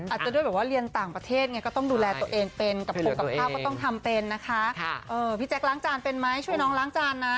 อาจจะด้วยเรียนต่างประเทศก็ต้องดูแลตัวเองเป็น